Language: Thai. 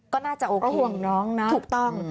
ก็น่าจะโอเคถูกต้อง